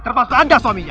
termasuk anda suaminya